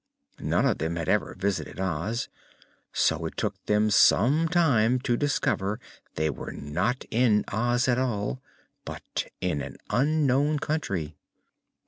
None of them had ever visited Oz, so it took them some time to discover they were not in Oz at all, but in an unknown country.